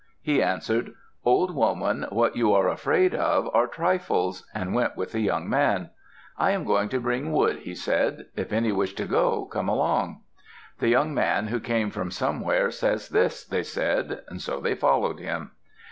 He answered, "Old woman, what you are afraid of are trifles," and went with the young man. "I am going to bring wood," he said. "If any wish to go, come along." "The young man who came from somewhere says this," they said, so they followed him.